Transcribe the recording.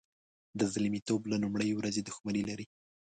د زلمیتوب له لومړۍ ورځې دښمني لري.